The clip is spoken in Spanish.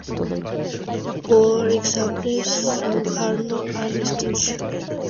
For example: Suharto and Nasution.